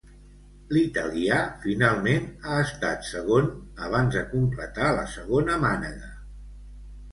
L'italià finalment ha estat segon abans de completar la segona mànega.